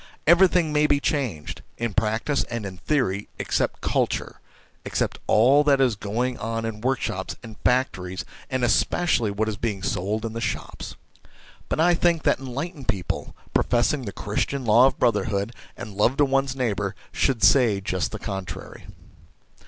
Everything may be changed, in practice and in theory, except culture, except all that is going on in workshops and factories, and especially what is being sold in the shops. But I think that enlightened people, pro fessing the Christian law of brotherhood and love to one's neighbour, should say just the con trary.